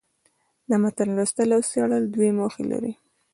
د متن لوستل او څېړل دوې موخي لري.